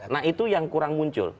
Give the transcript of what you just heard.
nah itu yang kurang muncul